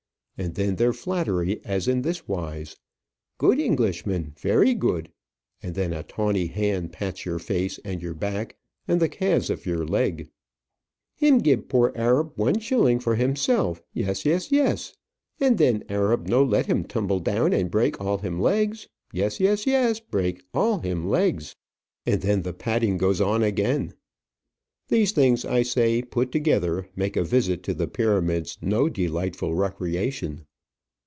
And then their flattery, as in this wise: "Good English man very good!" and then a tawny hand pats your face, and your back, and the calves of your leg "Him gib poor Arab one shilling for himself yes, yes, yes! and then Arab no let him tumble down and break all him legs yes, yes; break all him legs." And then the patting goes on again. These things, I say, put together, make a visit to the Pyramids no delightful recreation.